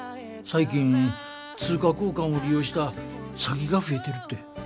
最近通貨交換を利用した詐欺が増えてるって。